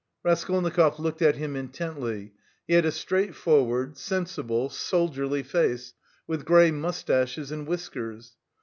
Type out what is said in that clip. Raskolnikov looked at him intently. He had a straight forward, sensible, soldierly face, with grey moustaches and whiskers.